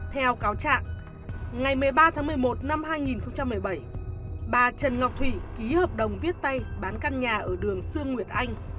theo cáo trạng ngày một mươi ba tháng một mươi một năm hai nghìn một mươi bảy bà trần ngọc thủy ký hợp đồng viết tay bán căn nhà ở đường sương nguyệt anh